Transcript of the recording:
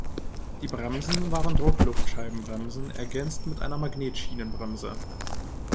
Die Bremsen waren Druckluft-Scheibenbremsen ergänzt mit einer Magnetschienenbremse.